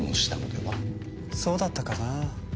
そうだったかなぁ。